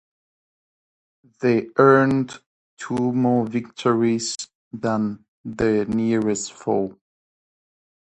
They earned two more victories than their nearest foe.